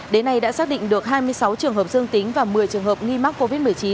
đến nay đã xác định được hai mươi sáu trường hợp dương tính và một mươi trường hợp nghi mắc covid một mươi chín